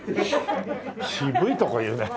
渋いとこ言うね。